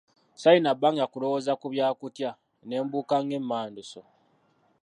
Saalina bbanga kulowooza ku bya kutya, ne mbuuka ng'emmanduso.